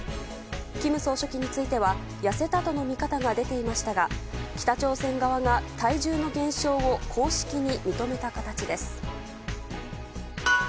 金総書記については痩せたとの見方が出ていましたが北朝鮮側が体重の減少を公式に認めた形です。